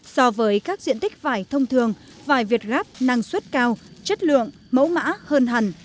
so với các diện tích vải thông thường vải việt gáp năng suất cao chất lượng mẫu mã hơn hẳn